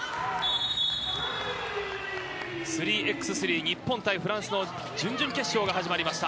３ｘ３、日本対フランスの準々決勝が始まりました。